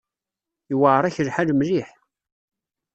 Yewɛer-ak lḥal mliḥ.